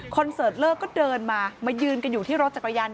เสิร์ตเลิกก็เดินมามายืนกันอยู่ที่รถจักรยาน